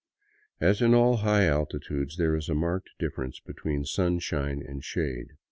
As in all high altitudes, there is a marked difference between sun shine and shade.